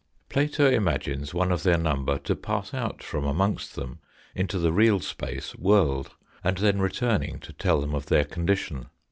Plato imagines one of their number to pass out from amongst them into the real space world, and then return ing to tell them of their condition.